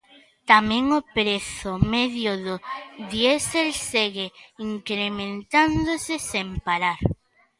Tamén o prezo medio do diésel segue incrementándose sen parar.